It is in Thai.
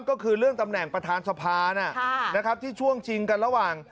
ก็คือเรื่องตำแหน่งประธานสภานะครับที่ช่วงชิงกันระหว่าง